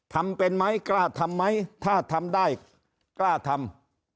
ทำเป็นไหมกล้าทำไหมถ้าทำได้กล้าทำ